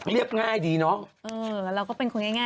พบกันมานานหรือยังน้อง